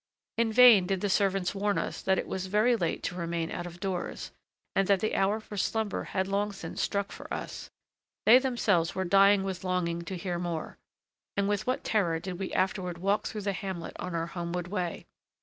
In vain did the servants warn us that it was very late to remain out of doors, and that the hour for slumber had long since struck for us; they themselves were dying with longing to hear more. And with what terror did we afterward walk through the hamlet on our homeward way!